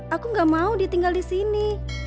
aku gak mau ditinggal di sini